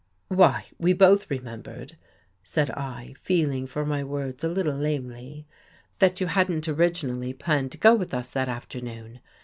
" Why, we both remembered," said I, feeling for my words a little lamely, " that you hadn't originally planned to go with us that afternoon.